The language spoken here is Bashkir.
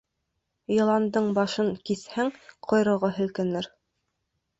Йыландың башын киҫһәң, ҡойроғо һелкенер.